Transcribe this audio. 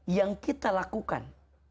yang kita lakukan